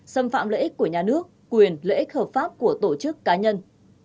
xâm phạm lợi ích của nhà nước quyền lợi ích hợp pháp của tổ chức cá nhân